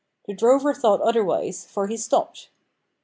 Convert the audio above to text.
The drover thought otherwise, for he stopped.